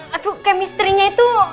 aduh kemisterinya itu